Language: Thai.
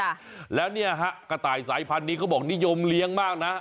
ค่ะแล้วเนี่ยฮะกระต่ายสายพันธุ์นี้เขาบอกนิยมเลี้ยงมากนะ